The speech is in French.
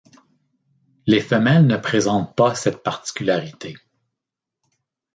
Les femelles ne présentent pas cette particularité.